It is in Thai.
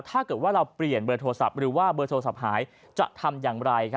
ถ้าเกิดว่าเราเปลี่ยนเบอร์โทรศัพท์หรือว่าเบอร์โทรศัพท์หายจะทำอย่างไร